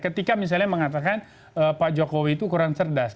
ketika misalnya mengatakan pak jokowi itu kurang cerdas